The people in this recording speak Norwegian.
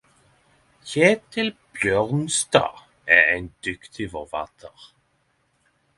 Ketil Bjørnstad er ein dyktig forfattar!!